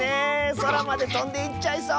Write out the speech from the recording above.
そらまでとんでいっちゃいそう。